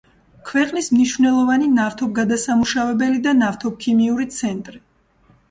ქვეყნის მნიშვნელოვანი ნავთობგადასამუშავებელი და ნავთობქიმიური ცენტრი.